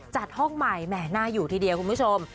จัดห้องใหม่แหม่น่าอยู่ทีเดียวคุณผู้ชม